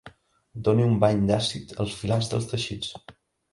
Doni un bany d'àcid als filats dels teixits.